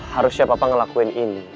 harusnya papa ngelakuin ini